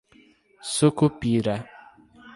Sucupira